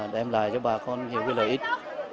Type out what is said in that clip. đem lại cho bà con nhiều lợi ích